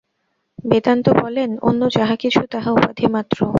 বেদান্ত বলেন, অন্য যাহা কিছু তাহা উপাধি মাত্র।